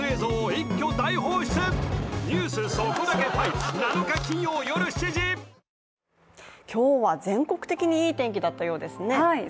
三ツ矢サイダー』今日は全国的にいい天気だったようですね。